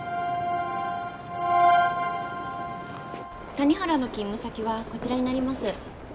谷原の勤務先はこちらになります